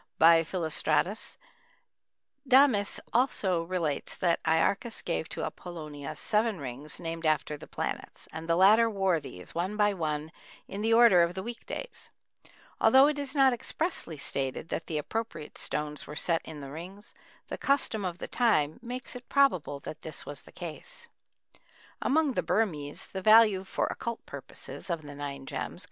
by Philostratus: "Damis also relates that Iarchas gave to Apollonius seven rings named after the planets, and the latter wore these, one by one, in the order of the weekdays." Although it is not expressly stated that the appropriate stones were set in the rings, the custom of the time makes it probable that this was the case. NINE GEMS.